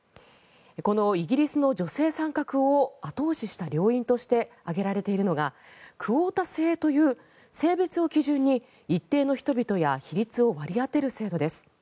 このイギリスの女性参画を後押しした要因として挙げられているのがクオーター制という性別を基準に一定の人々や比率を割り当てる制度です。